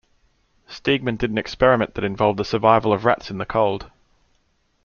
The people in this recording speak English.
Steegman did an experiment that involved the survival of rats in the cold.